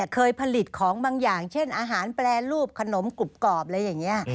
เคยผลิตของบางอย่างเช่นอาหารแปรรูปขนมกรุบกรอบอะไรอย่างนี้